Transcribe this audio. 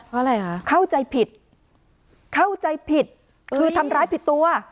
เพราะอะไรคะเข้าใจผิดเข้าใจผิดคือทำร้ายผิดตัว